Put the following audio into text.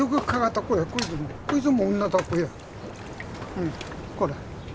うんこれ。